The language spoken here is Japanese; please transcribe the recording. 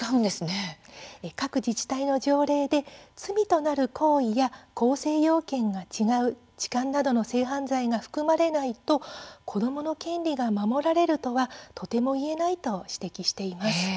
各自治体の条例で罪となる行為や構成要件が違う痴漢などの性犯罪が含まれないと子どもの権利が守られるとはとても言えないと指摘しています。